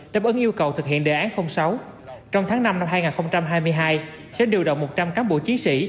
đáp ứng yêu cầu thực hiện đề án sáu trong tháng năm năm hai nghìn hai mươi hai sẽ điều động một trăm linh cán bộ chiến sĩ